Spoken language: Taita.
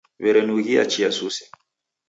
W'erenughia chia suse.